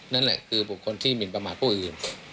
นั่นแหละคือบุคคลที่หมินประมาทผู้อื่น